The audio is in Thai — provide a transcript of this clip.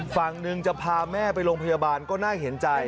ฝั่งหนึ่งจะพาแม่ไปโรงพยาบาลก็น่าเห็นใจ